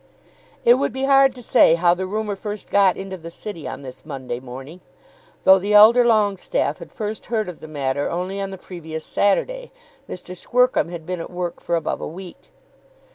It would be hard to say how the rumour first got into the City on this Monday morning. Though the elder Longestaffe had first heard of the matter only on the previous Saturday, Mr. Squercum had been at work for above a week.